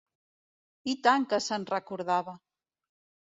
I tant que se'n recordava!